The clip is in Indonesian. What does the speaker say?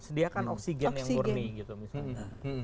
sediakan oksigen yang murni gitu misalnya